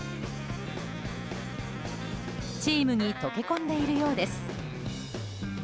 チームに溶け込んでいるようです。